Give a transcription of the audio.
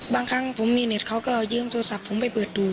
บางครั้งผมมีเน็ตเขาก็ยืมโทรศัพท์ผมไปเปิดดู